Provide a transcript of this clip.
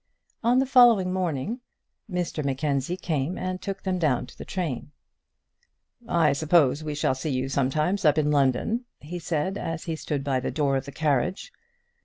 On the following morning Mr Mackenzie came and took them down to the train. "I suppose we shall see you sometimes up in London?" he said, as he stood by the door of the carriage.